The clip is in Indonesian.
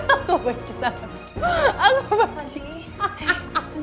aku benci sama kamu